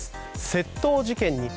窃盗事件に。